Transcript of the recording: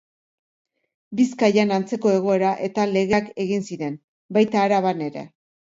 Bizkaian antzeko egoera eta legeak egin ziren, baita Araban ere.